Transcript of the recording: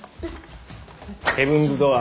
ヘブンズ・ドアー。